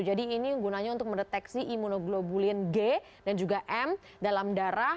jadi ini gunanya untuk mendeteksi imunoglobulin g dan juga m dalam darah